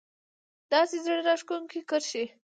داسې زړه راښکونکې کرښې